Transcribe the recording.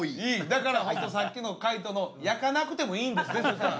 だからさっきの海人の焼かなくてもいいんですねそしたら。